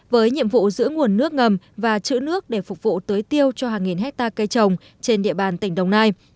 với nhiệm vụ giữ nguồn nước ngầm và chữ nước để phục vụ tưới tiêu cho hàng nghìn hectare cây trồng trên địa bàn tỉnh đồng nai